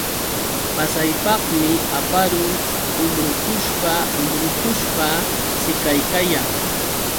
Pasaypaqmi aparun umbrukushpa umbrukushpa siqaykayan.